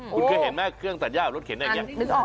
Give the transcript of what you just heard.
คุณเคยเห็นไหมเครื่องตัดย่ารถเข็นอย่างนี้